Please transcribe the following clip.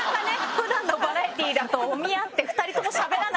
普段のバラエティーだとお見合って２人ともしゃべらないっていうの。